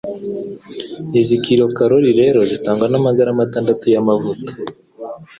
Izi kilokalori rero zitangwa n'amagarama atandatu y'amavuta